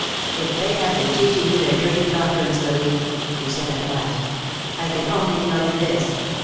"If they have been teaching you their dirty doctrines, Lily," he said at last, "I can only tell you this.